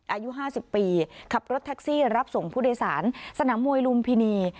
อายุ๕๐ปีขับรถแท็กซี่รับส่งผู้โดยสารสนามมวยลุมพินี